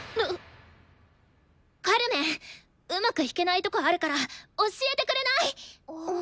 カルメンうまく弾けないとこあるから教えてくれない？